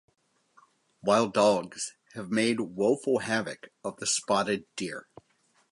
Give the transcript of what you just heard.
Wild dogs have made woeful havoc of the spotted deer.